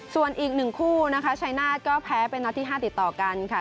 ส่วนอีก๑คู่นะคะชัยนาธก็แพ้เป็นนัดที่๕ติดต่อกันค่ะ